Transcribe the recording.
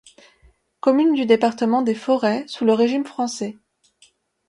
Commune du département des Forêts sous le régime français.